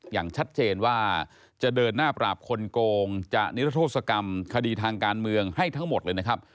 อย่างชัดเจนว่าจะเดินหน้าปราบคนโกงจะนิรโทษกรรมคดีทางการเมืองให้ทั้งหมดเลยนะครับ